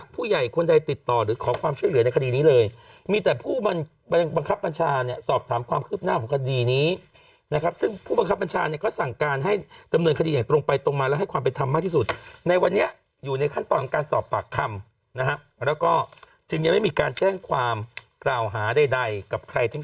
ผู้ใหญ่คนใดติดต่อหรือขอความช่วยเหลือในคดีนี้เลยมีแต่ผู้บังคับบัญชาเนี่ยสอบถามความคืบหน้าของคดีนี้นะครับซึ่งผู้บังคับบัญชาเนี่ยก็สั่งการให้ดำเนินคดีอย่างตรงไปตรงมาแล้วให้ความเป็นธรรมมากที่สุดในวันนี้อยู่ในขั้นตอนของการสอบปากคำนะฮะแล้วก็จึงยังไม่มีการแจ้งความกล่าวหาใดกับใครทั้ง